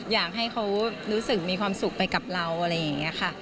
อยากให้เขารู้สึกมีความสุขไปกับเราอะไรอย่างนี้ค่ะ